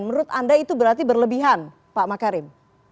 menurut anda itu berarti berlebihan pak makarim